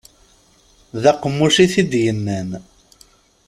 D aqemmuc i t-id-yennan.